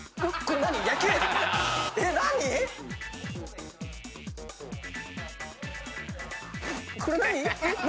何⁉これ何？